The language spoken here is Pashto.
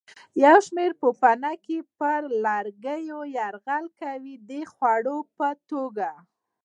یو شمېر پوپنکي پر لرګیو یرغل کوي د خوړو په توګه.